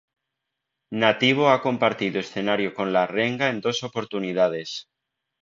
Nativo ha compartido escenario con La Renga en dos oportunidades.